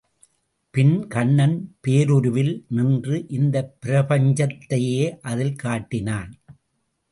பின் கண்ணன் பேருருவில் நின்று இந்தப் பிரபஞ்சத் தையே அதில் காட்டினான்.